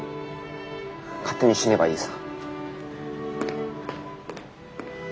勝手に死ねばいいさ。